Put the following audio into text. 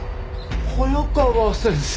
早川先生！